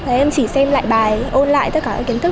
em chỉ xem lại bài ôn lại tất cả các kiến thức